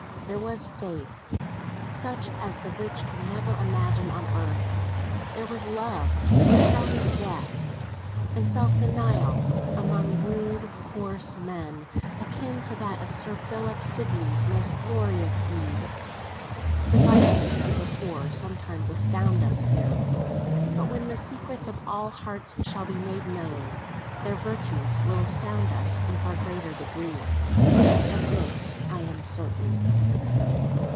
There was Faith such as the rich can never imagine on earth; there was "Love strong as death;" and self denial, among rude, coarse men, akin to that of Sir Philip Sidney's most glorious deed. The vices of the poor sometimes astound us here; but when the secrets of all hearts shall be made known, their virtues will astound us in far greater degree. Of this I am certain.